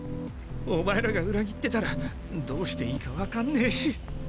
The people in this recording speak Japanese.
お前らが裏切ってたらどうしていいかわかんねぇし。